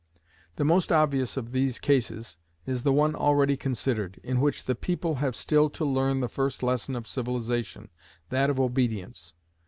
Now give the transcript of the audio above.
The most obvious of these cases is the one already considered, in which the people have still to learn the first lesson of civilization, that of obedience.